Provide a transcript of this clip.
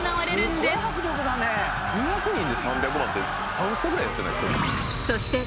２００人で３００番って３ステぐらいやってない？